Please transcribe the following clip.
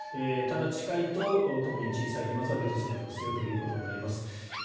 ただ近いと特に小さい飛まつは出てしまいますよということになります。